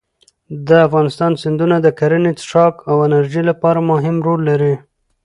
د افغانستان سیندونه د کرنې، څښاک او انرژۍ لپاره مهم رول لري.